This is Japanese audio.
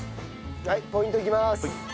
はいポイントいきます。